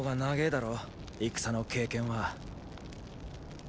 だろ戦の経験は。